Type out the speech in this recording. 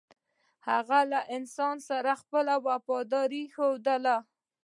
هغه له انسان سره خپله وفاداري ښودله.